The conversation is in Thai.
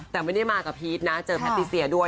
แต่ไม่ได้มากับพีชนะเจอแพทติเซียด้วย